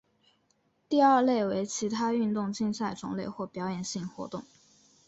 第二类为其他运动竞赛种类或表演性活动。